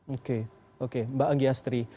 oke oke mbak anggiastri